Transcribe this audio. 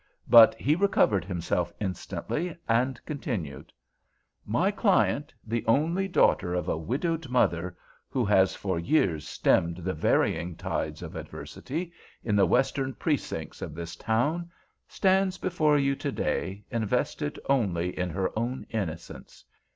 But he recovered himself instantly, and continued: "My client, the only daughter of a widowed mother—who has for years stemmed the varying tides of adversity—in the western precincts of this town—stands before you to day invested only in her own innocence.